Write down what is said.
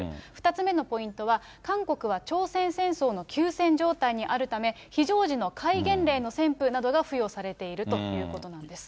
２つ目のポイントは、韓国は朝鮮戦争の休戦状態にあるため、非常時の戒厳令の宣布などが付与されているということなんです。